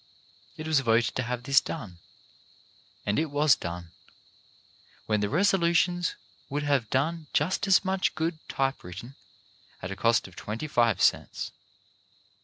It was vote.d to have this done, and it was done; when the resolutions would have done just as much good typewritten, at a cost of twenty five cents.